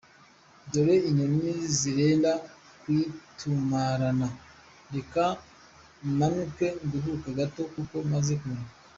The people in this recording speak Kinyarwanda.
dore inyoni zirenda kuyitumarana. Reka manuke nduhuke gato kuko maze kunanirwa.